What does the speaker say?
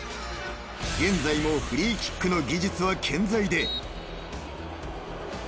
［現在もフリーキックの技術は健在で］